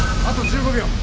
あと１５秒。